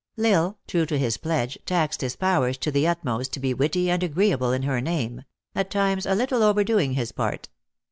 L Isle, true to his pledge, taxed his powers to the ut most to be witty and agreeable in her name ; at times a little overdoing his part.